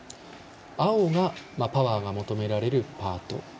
青がパワーが求められるパート。